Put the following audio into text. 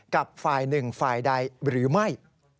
กับฝ่ายหนึ่งฝ่ายใดหรือไม่